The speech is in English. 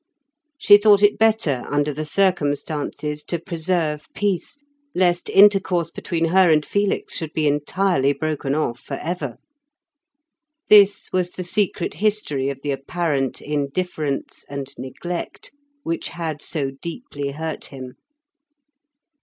She thought it better, under the circumstances, to preserve peace, lest intercourse between her and Felix should be entirely broken off for ever. This was the secret history of the apparent indifference and neglect which had so deeply hurt him.